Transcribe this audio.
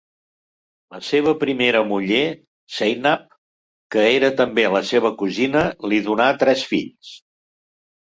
La seva primera muller, Zeynab, que era també la seva cosina, li donà tres fills.